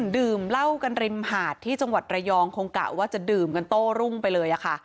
ดื่มเหล้ากันริมหาดที่จังหวัดระยองคงกะว่าจะดื่มกันโต้รุ่งไปเลยค่ะ